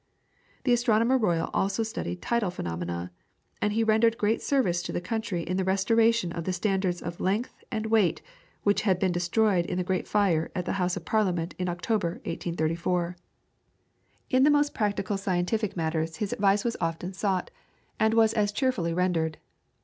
The Astronomer Royal also studied tidal phenomena, and he rendered great service to the country in the restoration of the standards of length and weight which had been destroyed in the great fire at the House of Parliament in October, 1834. In the most practical scientific matters his advice was often sought, and was as cheerfully rendered.